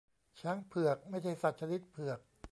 ช้างเผือก ไม่ใช่สัตว์ชนิดเผือก